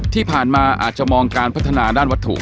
ที่ผ่านมาอาจจะมองการพัฒนาด้านวัตถุ